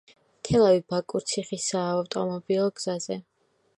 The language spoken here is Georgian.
თელავი–ბაკურციხის საავტომობილო გზაზე.